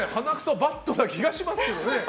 バッドな気がしますけどね。